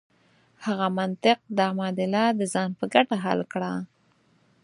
هغه منطق دا معادله د ځان په ګټه حل کړه.